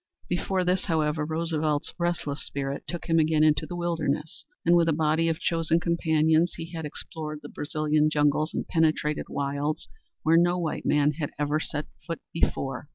Before this, however, Roosevelt's restless spirit took him again into the wilderness, and with a body of chosen companions he had explored the Brazilian jungles and penetrated wilds where no white man had ever set foot before.